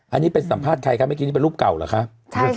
อันนี้เป็นสัมภาษณ์ใครครับเมื่อกี้นี่เป็นรูปเก่าเหรอครับ